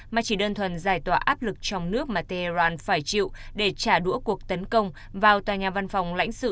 mà chỉ đơn thuần giải tỏa áp lực trong nước mà tehran phải chịu để trả đũa cuộc tấn công vào tòa nhà văn phòng lãnh sự